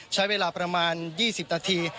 ใช้เวลาประมาณ๒๐นาที